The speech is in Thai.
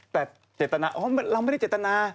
แต่เจตนาอ๋อเราไม่ได้เจตนา